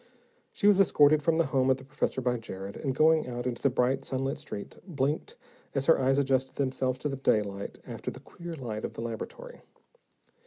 She was escorted from the home of the professor by Jared, and going out into the bright, sunlit street, blinked as her eyes adjusted themselves to the daylight after the queer light of the laboratory.